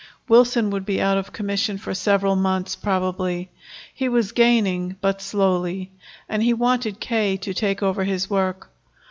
Wilson would be out of commission for several months, probably. He was gaining, but slowly. And he wanted K. to take over his work.